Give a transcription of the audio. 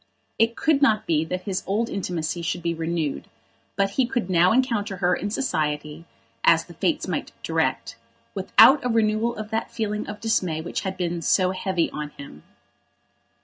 It could not be that his old intimacy should be renewed, but he could now encounter her in society, as the Fates might direct, without a renewal of that feeling of dismay which had been so heavy on him.